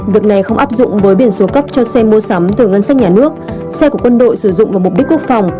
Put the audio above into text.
việc này không áp dụng với biển số cấp cho xe mua sắm từ ngân sách nhà nước xe của quân đội sử dụng vào mục đích quốc phòng